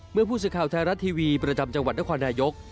เมื่อผู้สื่อข่าวไทยรัฐทีวีประจำจังหวัดนครนายก